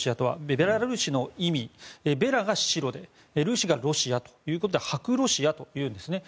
ベラルーシの意味「ベラ」が白で「ルーシ」がロシアということで白ロシアということです。